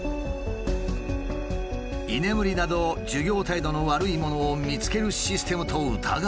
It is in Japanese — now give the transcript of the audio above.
居眠りなど授業態度の悪い者を見つけるシステムと疑われたのだ。